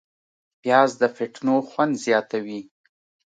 پیاز د فټنو خوند زیاتوي